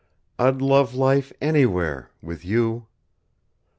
"I'd love life anywhere WITH YOU."